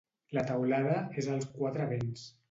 La teulada és als quatre vents.